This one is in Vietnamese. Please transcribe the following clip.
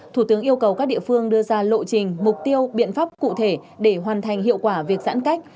thủ tướng yêu cầu các địa phương đưa ra lộ trình mục tiêu biện pháp cụ thể để hoàn thành hiệu quả việc giãn cách